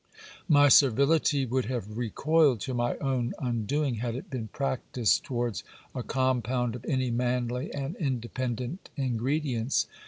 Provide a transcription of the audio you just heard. My servility would have recoiled to my own un doing, had it been practised towards a compound of any manly and independent ingredients.